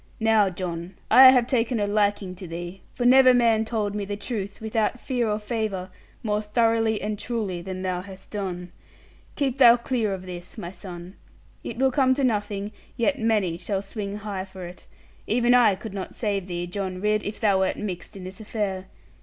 Now, John, I have taken a liking to thee, for never man told me the truth, without fear or favour, more thoroughly and truly than thou hast done. Keep thou clear of this, my son. It will come to nothing; yet many shall swing high for it. Even I could not save thee, John Ridd, if thou wert mixed in this affair.